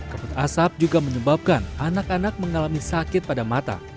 kabut asap juga menyebabkan anak anak mengalami sakit pada mata